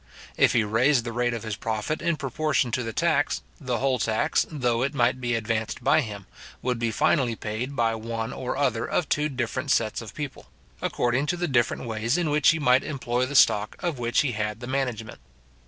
If he raised the rate of his profit in proportion to the tax, the whole tax, though it might be advanced by him, would be finally paid by one or other of two different sets of people, according to the different ways in which he might employ the stock of which he had the management.